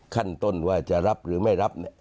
ขั้นต้นว่าจะรับหรือไม่รับ